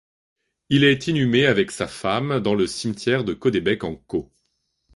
Il est inhumé avec sa femme dans le cimetière de Caudebec-en-Caux.